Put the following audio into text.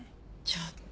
ちょっと。